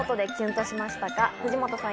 藤本さん